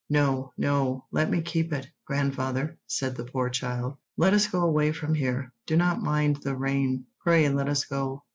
"No, no; let me keep it, grandfather," said the poor child. "Let us go away from here. Do not mind the rain. Pray let us go."